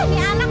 wih nih anak